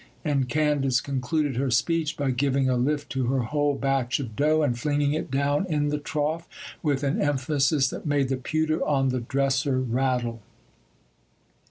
And Candace concluded her speech by giving a lift to her whole batch of dough, and flinging it down in the trough with an emphasis that made the pewter on the dresser rattle.